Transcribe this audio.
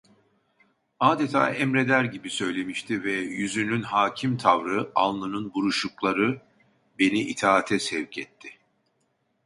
Adeta emreder gibi söylemişti ve yüzünün hakim tavrı, alnının buruşukları beni itaate sevk etti.